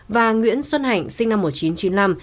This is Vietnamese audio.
và nguyễn xuân hạnh sinh năm một nghìn chín trăm chín mươi năm